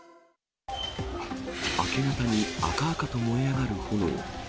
明け方に赤々と燃え上がる炎。